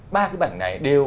ba cái bảng này đều